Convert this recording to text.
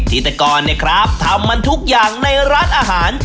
พิธีกรเนี่ยครับทำมันทุกอย่างในร้านอาหาร